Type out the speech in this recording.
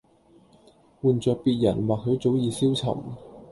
換著別人或許早已消沉